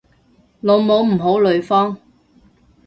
老母唔好呂方